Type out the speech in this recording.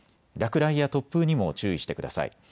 落雷や突風にも注意してください。